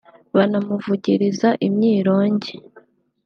banamuvugiriza imyirongi